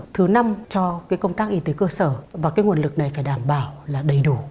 thứ năm cho cái công tác y tế cơ sở và cái nguồn lực này phải đảm bảo là đầy đủ